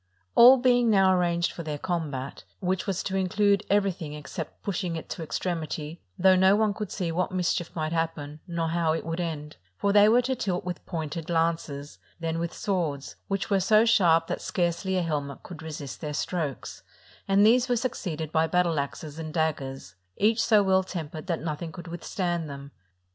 All being now arranged for their combat, which was to include everything except pushing it to extremity, though no one could see what mischief might happen, nor how it would end; for they were to tilt with pointed lances, then with swords, which were so sharp that scarcely a helmet could resist their strokes; and these were succeeded by battle axes and daggers, each so well tempered that nothing could with stand them.